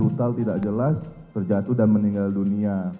utal tidak jelas terjatuh dan meninggal dunia